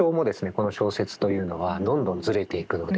この小説というのはどんどんずれていくので。